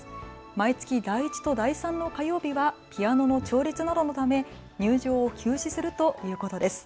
毎月、第１と第３の火曜日はピアノの調律などのため入場を休止するということです。